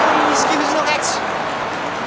富士の勝ち。